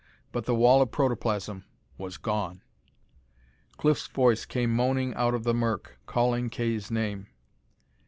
But the wall of protoplasm was gone! Cliff's voice came moaning out of the murk, calling Kay's name.